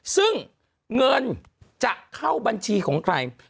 ซึ่งเงินจะเข้าบัญชีของใคร